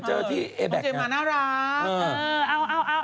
เจมมาน่ารัก